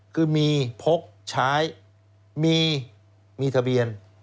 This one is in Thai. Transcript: คือมีพกใช้มีทะเบียน